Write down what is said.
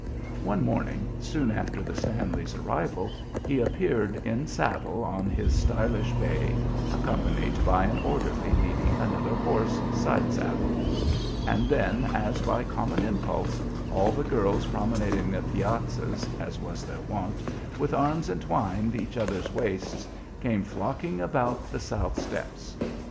One morning soon after the Stanleys' arrival he appeared in saddle on his stylish bay, accompanied by an orderly leading another horse, side saddled; and then, as by common impulse, all the girls promenading the piazzas, as was their wont, with arms entwining each other's waists, came flocking about the south steps.